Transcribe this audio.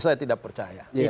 saya tidak percaya